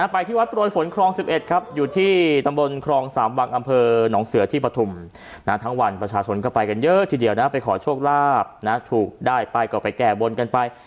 ไปที่วัดโปรยฝนครอง๑๑ครับอยู่ที่ตำบลครองสามวังอำเภอหนองเสือที่ปฐุมทั้งวันประชาชนก็ไปกันเยอะทีเดียวนะไปขอโชคลาภถูกได้ไปก็ไปแก้บนกันไป